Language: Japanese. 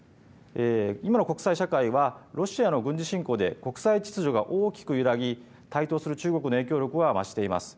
今の国際社会はロシアの軍事侵攻で国際秩序が大きく揺らぎ、台頭する中国の影響力は増しています。